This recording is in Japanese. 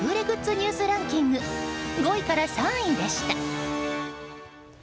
ニュースランキング５位から３位でした。